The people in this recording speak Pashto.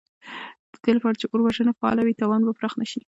د دې لپاره چې اور وژنه فعاله وي، تاوان به پراخ نه شي.